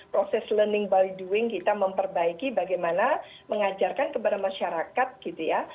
proses learning by doing kita memperbaiki bagaimana mengajarkan kepada masyarakat gitu ya